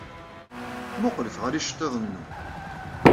Mmuqqlet ɣer yiceḍḍiḍen-nwen!